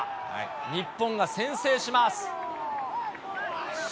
日本が先制します。